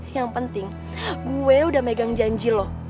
yang penting gue udah megang janji loh